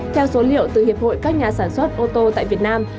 theo số liệu từ hiệp hội các nhà sản xuất ô tô tại việt nam